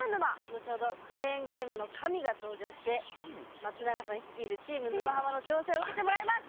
後ほど、クレーンゲームの神が登場して松永さん率いるチーム沼ハマの挑戦を受けてもらいます。